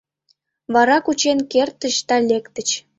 Вара кучен кертыч да лектыч.